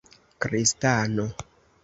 kristano